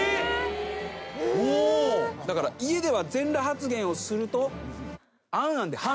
だから家では全裸発言をすると。